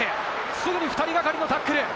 すぐに２人がかりのタックル。